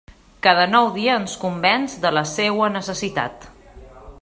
Cada nou dia ens convenç de la seua necessitat.